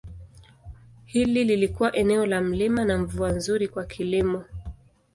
Hili lilikuwa eneo la milima na mvua nzuri kwa kilimo.